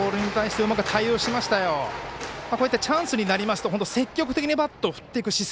こうやってチャンスになりますと積極的にバットを振っていく姿勢。